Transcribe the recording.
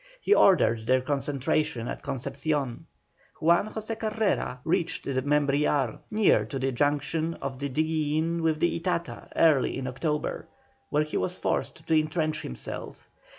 He ordered their concentration at Concepcion. Juan José Carrera reached the Membrillar near to the junction of the Diguillin with the Itata early in October, where he was forced to entrench himself.